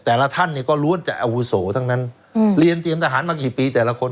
เรารู้ว่าจะอาวุโสทั้งนั้นเรียนเตรียมทหารมากี่ปีแต่ละคน